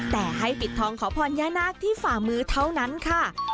แต่ให้ปิดทองขอพรย่านาคที่ฝ่ามือเท่านั้นค่ะ